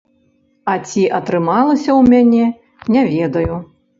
Ці атрымалася ў мяне, не ведаю.